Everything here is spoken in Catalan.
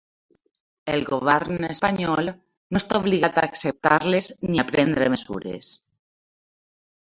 El govern espanyol no està obligat a acceptar-les ni a prendre mesures.